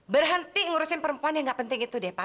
berhenti ngurusin perempuan yang gak penting itu deh pak